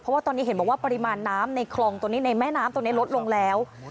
เพราะว่าตอนนี้เห็นบอกว่าปริมาณน้ำในคลองตัวนี้ในแม่น้ำตรงนี้ลดลงแล้ว